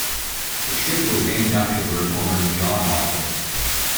The ship was named after the Reformer, John Wycliffe.